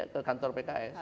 ke kantor pks